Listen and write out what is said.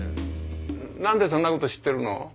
何でそんなこと知ってるの？